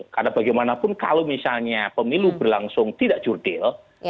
karena bagaimanapun kalau misalnya pemilu berlangsung tidak jurdil